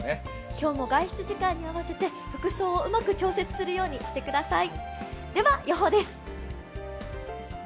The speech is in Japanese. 今日も外出時間に合わせて、服装をうまく調節するようにしてください。